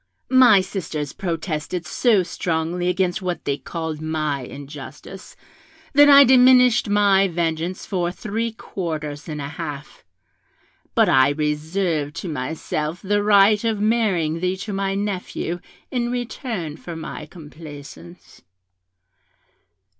My sisters protested so strongly against what they called my injustice, that I diminished my vengeance by three quarters and a half; but I reserved to myself the right of marrying thee to my nephew in return for my complaisance.